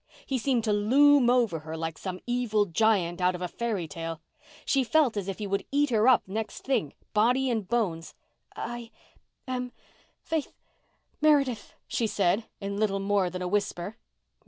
He seemed to loom over her like some evil giant out of a fairy tale. She felt as if he would eat her up next thing, body and bones. "I—am—Faith—Meredith," she said, in little more than a whisper.